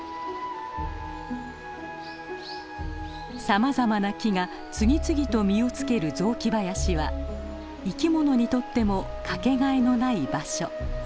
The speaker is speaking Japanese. さまざまな木が次々と実をつける雑木林は生き物にとっても掛けがえのない場所。